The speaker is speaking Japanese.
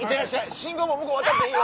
信号も向こうに渡っていいよ。